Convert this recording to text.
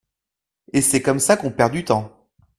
Et c’est comme ça qu’on perd du temps.